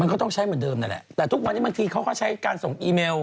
ก็ต้องใช้เหมือนเดิมนั่นแหละแต่ทุกวันนี้บางทีเขาก็ใช้การส่งอีเมล